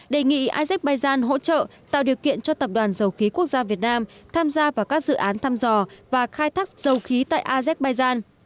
đề nghị asep baizan hỗ trợ tạo điều kiện cho tập đoàn dầu khí quốc gia việt nam tham gia vào các dự án thăm dò và khai thác dầu khí tại asep baizan